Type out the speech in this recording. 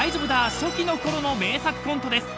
初期の頃の名作コントです］